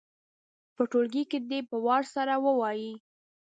په ټولګي کې دې یې په وار سره ووايي.